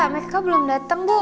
mika belum dateng bu